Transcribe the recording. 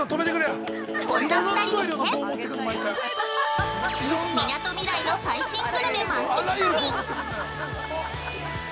◆こんな２人でみなとみらいの最新グルメ満喫旅！